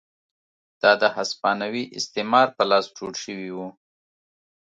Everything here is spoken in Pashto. دا د هسپانوي استعمار په لاس جوړ شوي وو.